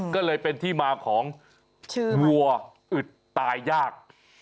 ก็เลยเป็นที่มาของวัวอึดตายยาก